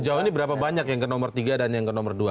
sejauh ini berapa banyak yang ke nomor tiga dan yang ke nomor dua